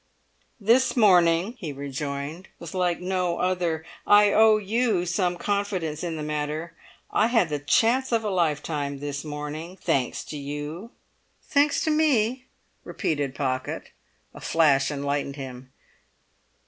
"This morning," he rejoined, "was like no other. I owe you some confidence in the matter. I had the chance of a lifetime this morning—thanks to you!" "Thanks to me?" repeated Pocket. A flash enlightened him.